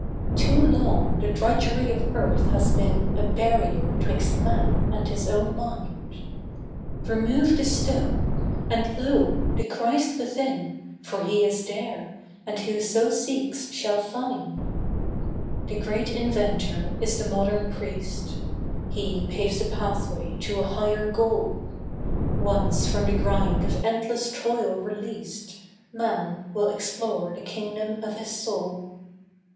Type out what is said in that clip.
Too long the drudgery of earth has been A barrier 'twixt man and his own mind. Remove the stone, and lo! the Christ within; For He is there, and who so seeks shall find. The Great Inventor is the Modern Priest. He paves the pathway to a higher goal. Once from the grind of endless toil released Man will explore the kingdom of his soul.